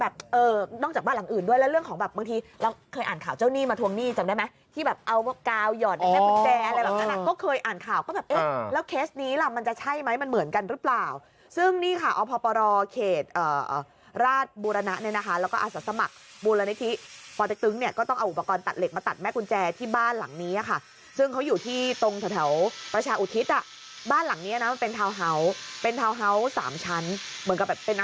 แบบเออนอกจากบ้านหลังอื่นด้วยแล้วเรื่องของแบบบางทีเราเคยอ่านข่าวเจ้านี่มาทวงนี่จำได้ไหมที่แบบเอากาวหยอดแม่กุญแจอะไรแบบนั้นก็เคยอ่านข่าวก็แบบเออแล้วเคสนี้ล่ะมันจะใช่ไหมมันเหมือนกันหรือเปล่าซึ่งนี่ค่ะอพรเขตเอ่อราชบุรณะเนี่ยนะคะแล้วก็อาสสมัครบุรณนิษฐ์ปรติกตึงเนี่ยก็ต้องเอ